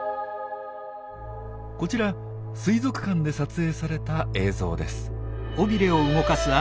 こちら水族館で撮影された映像です。